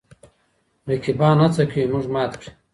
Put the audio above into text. رقیبان هڅه کوي موږ مات کړي.